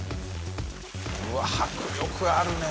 うわ迫力あるね！